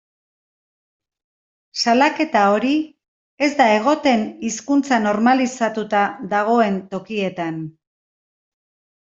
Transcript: Salaketa hori ez da egoten hizkuntza normalizatuta dagoen tokietan.